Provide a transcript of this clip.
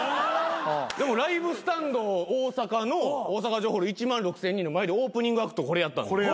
でも「ＬＩＶＥＳＴＡＮＤＯＳＡＫＡ」の大阪城ホール１万６，０００人の前でオープニングアクトこれやった。